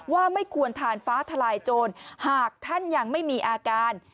ว่าไม่ควรทานฟ้าทลายโจรหากท่านยังไม่มีอาการ